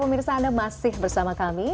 pemirsa anda masih bersama kami